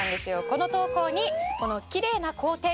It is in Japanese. この投稿に“きれいな後転！”